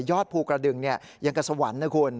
ยอดภูกระดึงเนี่ยอย่างกับสวรรค์นะคุณ